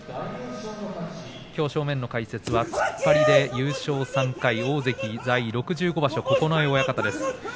きょう正面の解説は突っ張りで優勝３回大関在位６５場所の九重親方です。